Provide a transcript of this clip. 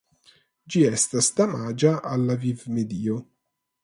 Ĝi estas damaĝa al la vivmedio.